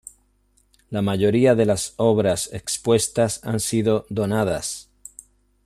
La mayoría de las obras expuestas han sido donadas.